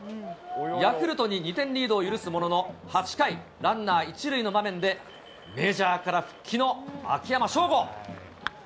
ヤクルトに２点リードを許すものの、８回、ランナー１塁の場面で、メジャーから復帰の秋山翔吾。